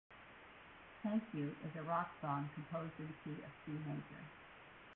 "Thank U" is a rock song composed in the key of C major.